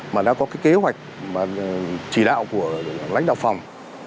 mà đã có kế hoạch và chỉ đạo của lãnh đạo phòng